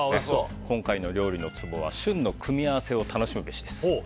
今回の料理のツボは旬の組み合わせを楽しむべし。